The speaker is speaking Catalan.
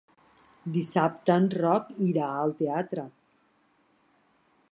Dissabte en Roc irà al teatre.